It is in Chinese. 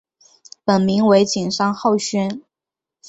本名为景山浩宣。